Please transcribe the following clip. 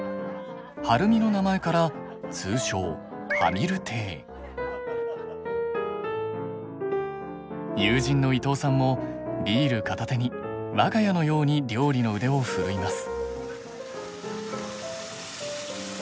春美の名前から通称友人の伊藤さんもビール片手に我が家のように料理の腕を振るいます。